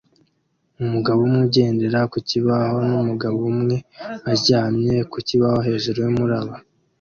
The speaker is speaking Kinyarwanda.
Umugabo umwe ugendera ku kibaho n'umugabo umwe aryamye ku kibaho hejuru yumuraba